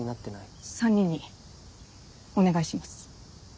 ３人にお願いします。